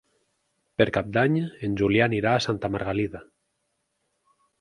Per Cap d'Any en Julià anirà a Santa Margalida.